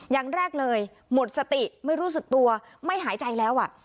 อย่างแรกเลยหมดสติไม่รู้สึกตัวไม่หายใจแล้ว